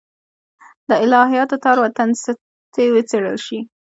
د الهیاتو تار و تنستې وڅېړل شي.